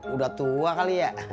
udah tua kali ya